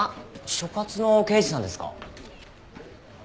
所轄の刑事さんですか？